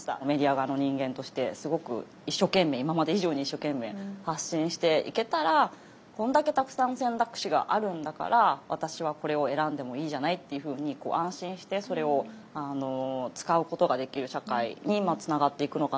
メディア側の人間としてすごく一生懸命今まで以上に一生懸命発信していけたらこれだけたくさん選択肢があるんだから私はこれを選んでもいいじゃないっていうふうに安心してそれを使うことができる社会につながっていくのかなと。